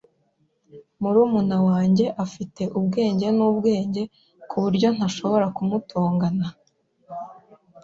Murumuna wanjye afite ubwenge nubwenge kuburyo ntashobora kumutongana.